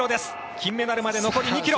金メダルまで残り２ｋｍ。